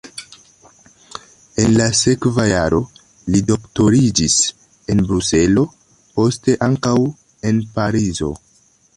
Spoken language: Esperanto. En la sekva jaro li doktoriĝis en Bruselo, poste ankaŭ en Parizo.